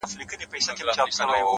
هره پوښتنه نوی امکان راپیدا کوي,